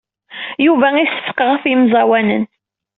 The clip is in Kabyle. Yuba iseffeq ɣef yemẓawanen.